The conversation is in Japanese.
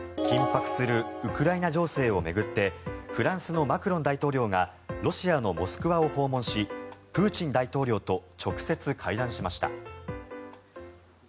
緊迫するウクライナ情勢を巡ってフランスのマクロン大統領がロシアのモスクワを訪問しプーチン大統領と直接会談しました。